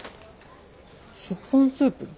スッポンスープ？